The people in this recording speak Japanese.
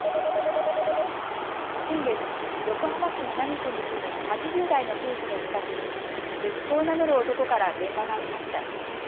先月、横浜市南区に住む８０代の夫婦の自宅に息子を名乗る男から電話がありました。